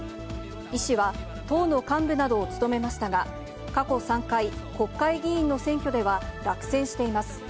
イ氏は、党の幹部などを務めましたが、過去３回、国会議員の選挙では落選しています。